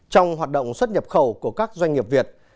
trong hoạt động xuất nhập khẩu của các doanh nghiệp việt